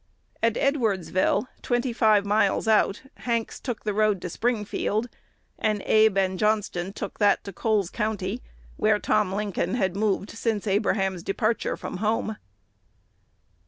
At Edwardsville, twenty five miles out, Hanks took the road to Springfield, and Abe and Johnston took that to Coles County, where Tom Lincoln had moved since Abraham's departure from home.